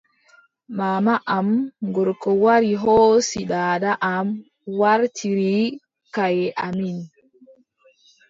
Maama am gorko wari hoosi daada am waartiri kayye amin.